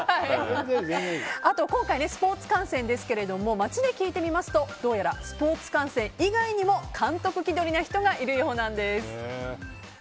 あと今回、スポーツ観戦ですけど街で聞いてみますとどうやらスポーツ観戦以外にも監督気取りな人がいるようなんです。